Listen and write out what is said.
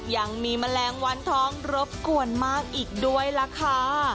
ยังมีแมลงวันท้องรบกวนมากอีกด้วยล่ะค่ะ